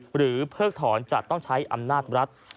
เพิกถอนจะต้องใช้อำนาจรัฐ